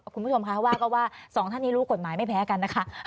คุณผู้ชมคะว่าก็ว่าสองท่านนี้รู้กฎหมายไม่แพ้กันนะคะ